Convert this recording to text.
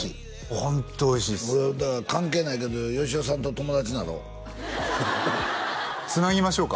ホントおいしいです関係ないけどよしおさんと友達なろつなぎましょうか？